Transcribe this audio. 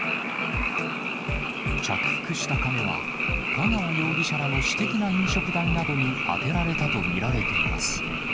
着服した金は、香川容疑者らの私的な飲食代などに充てられたと見られています。